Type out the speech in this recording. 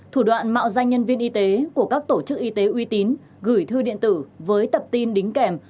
thủ đoạn mạo danh nhân viên y tế của các tổ chức y tế uy tín gửi thư điện tử với tập tin đính kèm